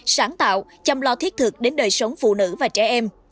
sáng tạo chăm lo thiết thực đến đời sống phụ nữ và trẻ em